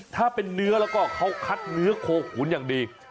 ถ้าเป็นเนื้อแล้วก็เขาคัดเนื้อโคขุนอย่างดี